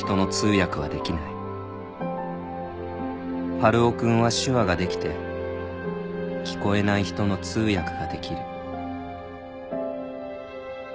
「春尾君は手話ができて聞こえない人の通訳ができる」